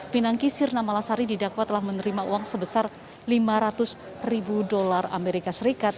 pinangki sirna malasari didakwa telah menerima uang sebesar lima ratus ribu dolar amerika serikat